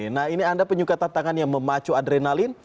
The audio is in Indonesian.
nah ini anda penyuka tantangan yang memacu adrenalin